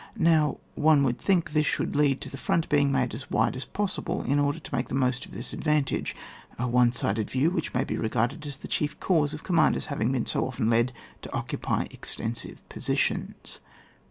Now one would think this should lead to the front being made as wide as possible, in order to make the most of this advantage ; a one sided view, which may be regarded as the chief cause of commanders having been so often led to occupy extensive positions.